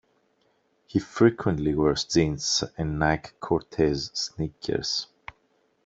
He frequently wears jeans and Nike Cortez sneakers.